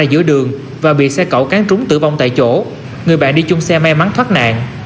giữa đường và bị xe cẩu cán trúng tử vong tại chỗ người bạn đi chung xe may mắn thoát nạn